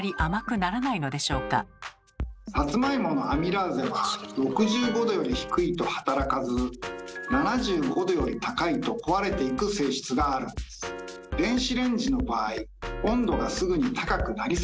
サツマイモのアミラーゼは６５℃より低いと働かず７５℃より高いと壊れていく性質があるんです。と考えられます。